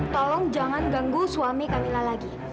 tolong jangan ganggu suami kamila lagi